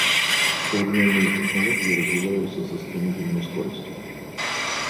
Современные технологии развиваются со стремительной скоростью.